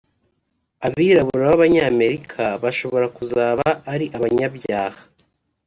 Abirabura b’Abanyamerika bashobora kuzaba ari abanyabyaha